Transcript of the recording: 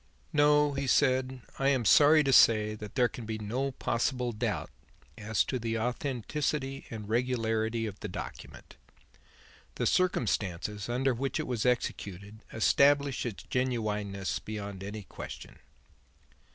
"No," he said, "I am sorry to say that there can be no possible doubt as to the authenticity and regularity of the document. The circumstances under which it was executed establish its genuineness beyond any question."